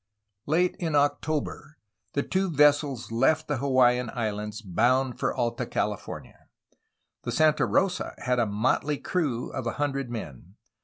Late in October the two vessels left the Hawaiian Islands, bound for Alta California. The Santa Rosa had a motley crew of a hundred men.